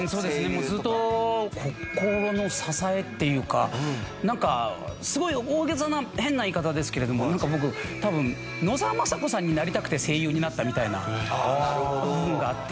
もうずっと心の支えっていうかなんかすごい大げさな変な言い方ですけれどもなんか僕多分野沢雅子さんになりたくて声優になったみたいな部分があって。